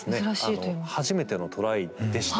初めてのトライでした。